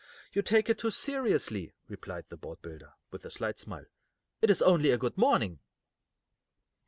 "You take it too seriously," replied the boatbuilder, with a slight smile. "It is only good morning."